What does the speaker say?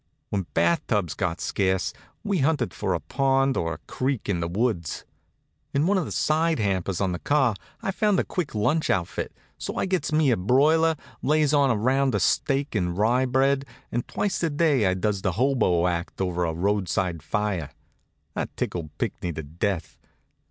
When bath tubs got scarce we'd hunt for a pond or a creek in the woods. In one of the side hampers on the car I found a quick lunch outfit, so I gets me a broiler, lays in round steak and rye bread, and twice a day I does the hobo act over a roadside fire. That tickled Pinckney to death.